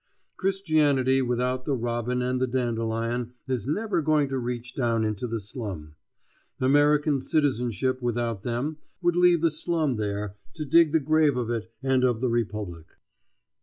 Christianity without the robin and the dandelion is never going to reach down into the slum; American citizenship without them would leave the slum there, to dig the grave of it and of the republic.